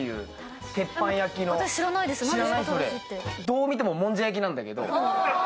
どう見てももんじゃ焼きなんだけど。